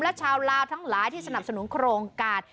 และชาวลาวทั้งหลายที่สนับสนุนโครงการ